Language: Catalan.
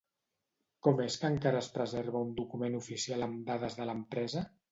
Com és que encara es preserva un document oficial amb dades de l'empresa?